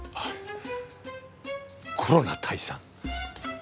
コロナ退散。